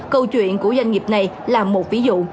câu chuyện của doanh nghiệp này là một ví dụ